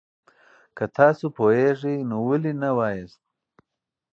که تاسو پوهېږئ، نو ولې نه وایاست؟